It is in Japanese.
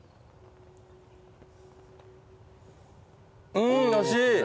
うん惜しい！